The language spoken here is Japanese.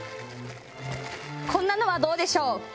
こんなのはどうでしょう？